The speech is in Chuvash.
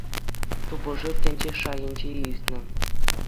Тупӑшу тӗнче шайӗнче иртнӗ.